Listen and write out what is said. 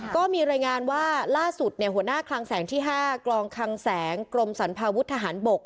ก็มีรายงานว่าล่าสุดหัวหน้าคลังแสงที่๕กลองคลังแสงกรมสรรพาวุฒิทหารบก